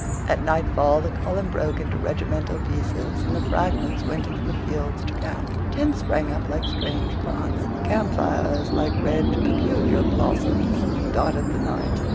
At nightfall the column broke into regimental pieces, and the fragments went into the fields to camp. Tents sprang up like strange plants. Camp fires, like red, peculiar blossoms, dotted the night.